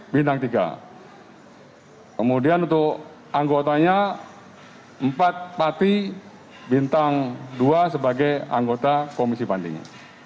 bintang dua sebagai anggota komisi banding